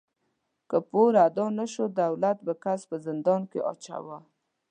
که پور ادا نهشو، دولت به کس په زندان کې اچاوه.